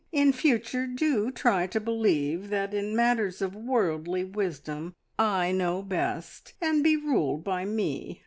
In future do try to believe that in matters of worldly wisdom I know best, and be ruled by me!